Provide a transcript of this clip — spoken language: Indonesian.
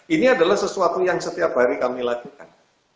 ini adalah sesuatu yang setiap hari kami lakukan